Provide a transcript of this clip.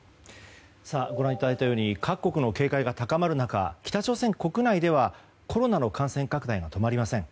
ご覧いただいたように各国の警戒が高まる中北朝鮮国内ではコロナの感染拡大が止まりません。